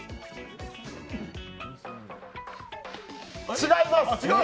違います。